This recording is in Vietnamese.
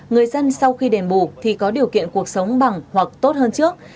người dân sau khi đền bù thì có điều kiện cuộc sống bằng hoặc tốt hơn trước